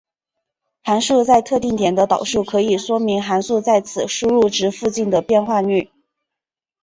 函数在特定点的导数可以说明函数在此输入值附近的变化率。